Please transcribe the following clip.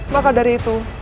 maka dari itu